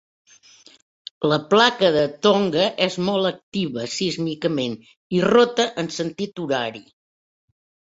La placa de Tonga és molt activa sísmicament i rota en sentit horari.